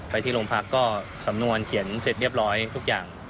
ไปที่โรงพักก็สำนวนเขียนเสร็จเรียบร้อยทุกอย่าง